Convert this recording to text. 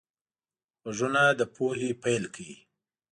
غوږونه د پوهې پیل کوي